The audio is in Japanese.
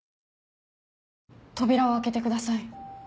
扉を開けてください。